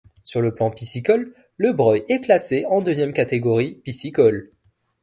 Sur le plan piscicole, le Breuil est classé en deuxième catégorie piscicole.